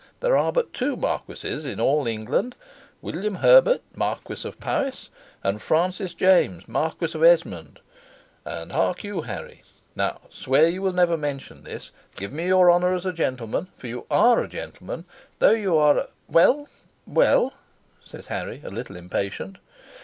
There are but two marquises in all England, William Herbert Marquis of Powis, and Francis James Marquis of Esmond; and hark you, Harry, now swear you will never mention this. Give me your honor as a gentleman, for you ARE a gentleman, though you are a " "Well, well?" says Harry, a little impatient.